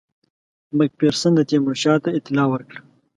مک فیرسن تیمورشاه ته اطلاع ورکړه.